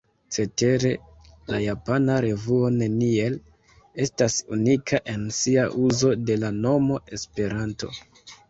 Cetere la japana revuo neniel estas unika en sia uzo de la nomo ”Esperanto”.